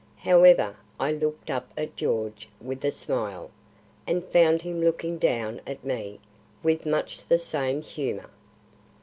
However, I looked up at George with a smile, and found him looking down at me with much the same humour.